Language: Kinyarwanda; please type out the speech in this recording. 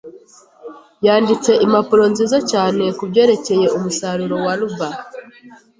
yanditse impapuro nziza cyane kubyerekeye umusaruro wa rubber.